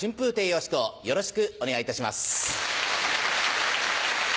吉好よろしくお願いいたします。